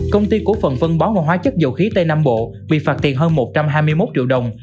công ty cổ phần phân bón và hóa chất dầu khí tây nam bộ bị phạt tiền hơn một trăm hai mươi một triệu đồng